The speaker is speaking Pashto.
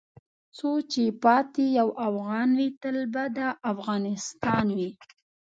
څو چې پاتې یو افغان وې تل به دا افغانستان وې .